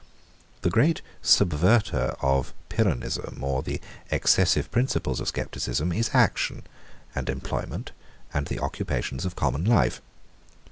The great subverter of Pyrrhonism or the excessive principles of scepticism is action, and employment, and the occupations of common life.